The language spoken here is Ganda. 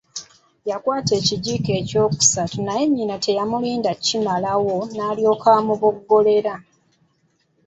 Yakwata ekijiiko ekyokusatu naye nnyina teyamulinda kukimalayo n’alyoka amuboggolera.